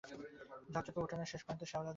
ঝকঝকে উঠোনের শেষ প্রান্তে শ্যাওলা-ধরা কুয়া।